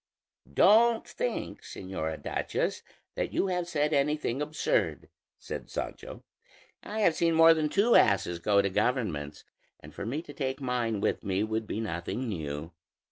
"Don't think, señora duchess, that you have said anything absurd," said Sancho: "I have seen more than two asses go to governments, and for me to take mine with me would be nothing new."